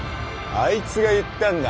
あいつが言ったんだ！